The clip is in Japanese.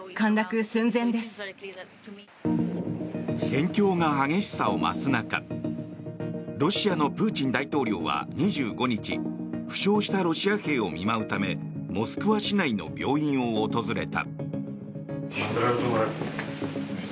戦況が激しさを増す中ロシアのプーチン大統領は２５日負傷したロシア兵を見舞うためモスクワ市内の病院を訪れた。